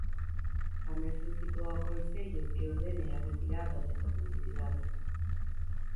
Tamén solicitou ao Concello que ordene a retirada desta publicidade.